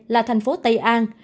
là thành phố tây an